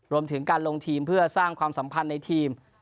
รวมถึงการลงทีมเพื่อสร้างความสัมพันธ์ในทีม